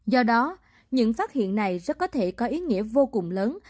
do đó những phát hiện này rất có thể có ý nghĩa vô cùng lớn